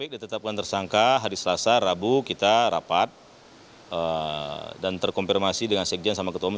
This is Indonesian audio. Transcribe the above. ditetapkan tersangka hari selasa rabu kita rapat dan terkonfirmasi dengan sekjen sama ketua umum